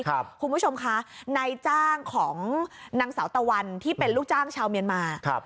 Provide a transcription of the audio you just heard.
คุณผู้ชมคะในจ้างของนางสาวตะวันที่เป็นลูกจ้างชาวเมียนมา